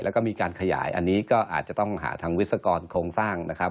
แล้วก็มีการขยายอันนี้ก็อาจจะต้องหาทางวิศกรโครงสร้างนะครับ